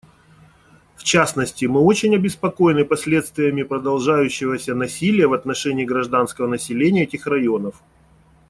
В частности, мы очень обеспокоены последствиями продолжающегося насилия в отношении гражданского населения этих районов.